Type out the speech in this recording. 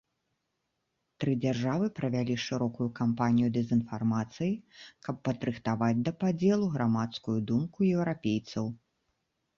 Тры дзяржавы правялі шырокую кампанію дэзінфармацыі, каб падрыхтаваць да падзелу грамадскую думку еўрапейцаў.